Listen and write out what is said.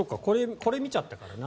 これ、見ちゃったからな。